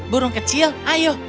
burung kecil ayo